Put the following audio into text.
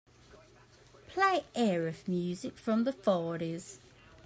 Play Arif music from the fourties.